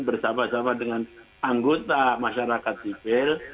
bersama sama dengan anggota masyarakat sipil